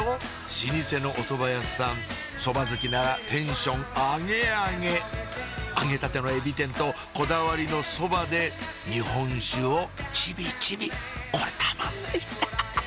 老舗のおそば屋さんそば好きならテンションアゲアゲ揚げたてのえび天とこだわりのそばで日本酒をちびちびこれたまんないハハハ！